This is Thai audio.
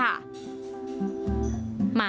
ร้านปิดร้านจัดเลี้ยงไม่มียุคพิวเฉพาะ